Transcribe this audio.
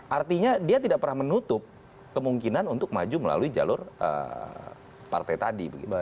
artinya dia tidak pernah menutup kemungkinan untuk maju melalui jalur partai tadi